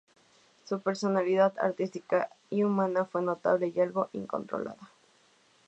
Su personalidad artística y humana fue notable y algo incontrolada.